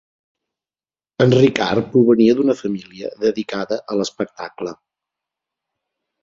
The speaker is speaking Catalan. En Ricard provenia d'una família dedicada a l'espectacle.